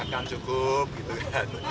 makan cukup gitu kan